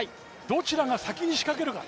どちらが先に仕掛けるか。